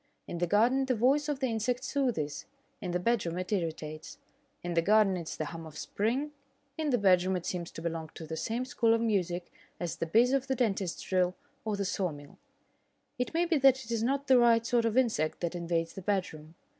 In the garden the voice of the insect soothes; in the bedroom it irritates. In the garden it is the hum of spring; in the bedroom it seems to belong to the same school of music as the bizz of the dentist's drill or the saw mill. It may be that it is not the right sort of insect that invades the bedroom.